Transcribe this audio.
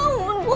gue gak tau